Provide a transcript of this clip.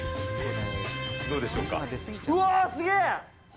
どうでしょうか。